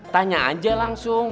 tanya saja langsung